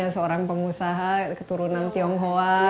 seorang pengusaha keturunan tionghoa